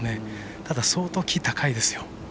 ただ相当、木は高いですよ。